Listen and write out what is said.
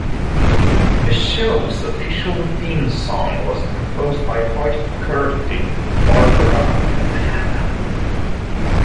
The show's official theme song was composed by Hoyt Curtin, Barbera, and Hanna.